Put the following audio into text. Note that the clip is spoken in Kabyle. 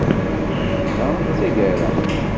D ta i d tagara.